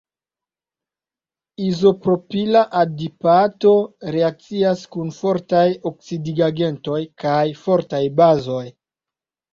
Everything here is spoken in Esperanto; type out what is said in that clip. Izopropila adipato reakcias kun fortaj oksidigagentoj kaj fortaj bazoj.